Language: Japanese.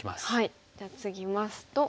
じゃあツギますと。